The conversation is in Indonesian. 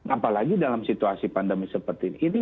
apalagi dalam situasi pandemi seperti ini